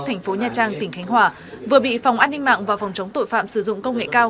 thành phố nha trang tỉnh khánh hòa vừa bị phòng an ninh mạng và phòng chống tội phạm sử dụng công nghệ cao